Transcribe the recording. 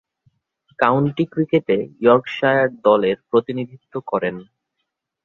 County ক্রিকেটে Yorkshire দলের প্রতিনিধিত্ব করেন।